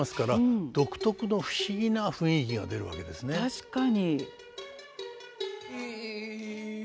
確かに。